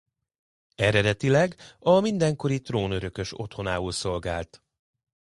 Eredetileg a mindenkori trónörökös otthonául szolgált.